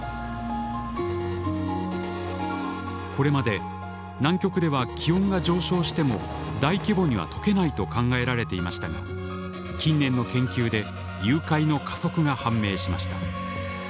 これまで南極では気温が上昇しても大規模にはとけないと考えられていましたが近年の研究で融解の加速が判明しました。